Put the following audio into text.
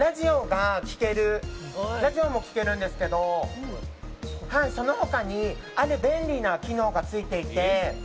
ラジオも聴けるんですけどその他に、ある便利な機能がついていて。